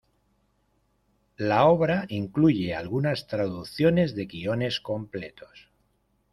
La obra incluye algunas traducciones de guiones completos.